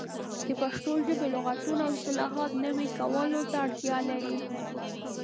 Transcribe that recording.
د پښتو ژبې لغتونه او اصطلاحات نوي کولو ته اړتیا لري.